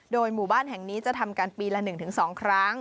หมู่บ้านแห่งนี้จะทำกันปีละ๑๒ครั้ง